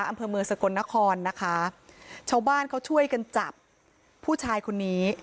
อำเภอเมืองสกลนครนะคะชาวบ้านเขาช่วยกันจับผู้ชายคนนี้